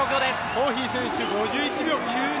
ホーヒー選手、５１秒９２